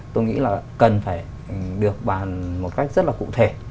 tôi nghĩ là cần phải được bàn một cách rất là cụ thể